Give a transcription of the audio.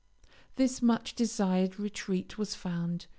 This much desired retreat was found.